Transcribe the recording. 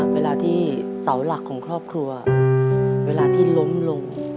เวลาที่เสาหลักของครอบครัวเวลาที่ล้มลง